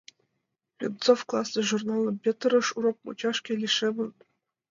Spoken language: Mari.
— Венцов классный журналым петырыш — урок мучашке лишемын.